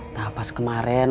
nah pas kemarin